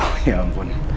oh ya ampun